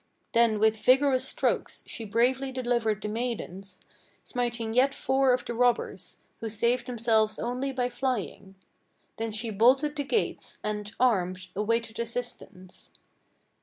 Then with vigorous strokes she bravely delivered the maidens, Smiting yet four of the robbers; who saved themselves only by flying. Then she bolted the gates, and, armed, awaited assistance."